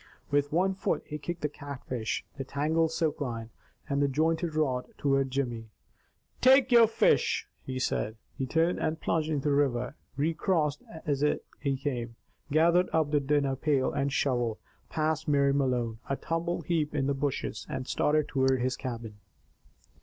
With one foot he kicked the catfish, the tangled silk line, and the jointed rod, toward Jimmy. "Take your fish!" he said. He turned and plunged into the river, recrossed it as he came, gathered up the dinner pail and shovel, passed Mary Malone, a tumbled heap in the bushes, and started toward his cabin.